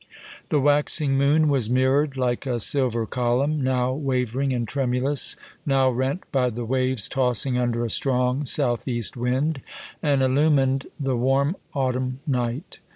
The waxing moon was mirrored like a silver column, now wavering and tremulous, now rent by the waves tossing under a strong southeast wind, and illumined the warm autumn night.